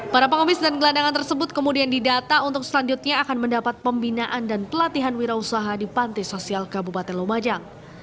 para pengemis dan gelandangan tersebut kemudian didata untuk selanjutnya akan mendapat pembinaan dan pelatihan wira usaha di panti sosial kabupaten lumajang